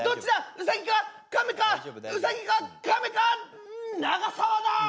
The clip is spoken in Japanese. ウサギかカメかウサギかカメか永沢だ！